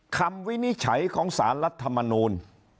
วินิจฉัยของสารรัฐมนูล